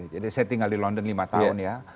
jadi saya tinggal di london lima tahun ya